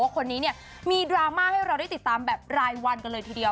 คนนี้เนี่ยมีดราม่าให้เราได้ติดตามแบบรายวันกันเลยทีเดียว